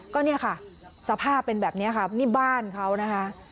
ก็เนี่ยค่ะสภาพเป็นแบบนี้ค่ะนี่บ้านเขานะคะ